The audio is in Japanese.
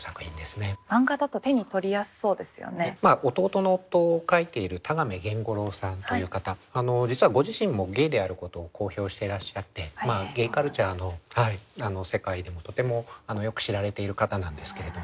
「弟の夫」を書いている田亀源五郎さんという方実はご自身もゲイであることを公表していらっしゃってゲイカルチャーの世界でもとてもよく知られている方なんですけれど。